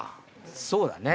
そうだね